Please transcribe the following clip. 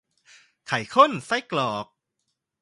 ไข่ข้นไส้กรอก